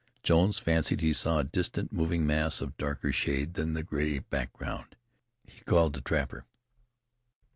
Jones fancied he saw a distant moving mass of darker shade than the gray background. He called the trapper.